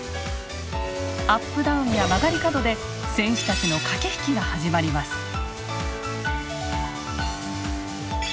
アップダウンや曲がり角で選手たちの駆け引きが始まります。